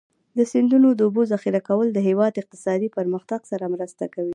د سیندونو د اوبو ذخیره کول د هېواد اقتصادي پرمختګ سره مرسته کوي.